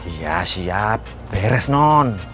iya siap beres non